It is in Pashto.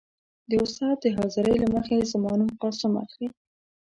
. استاد د حاضرۍ له مخې زما نوم «قاسم» اخلي.